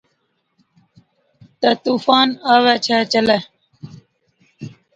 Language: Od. تہ طُوفان آوَي ڇَي چلَي،